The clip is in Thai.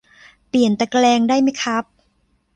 เปลี่ยนตะแกรงได้ไหมครับ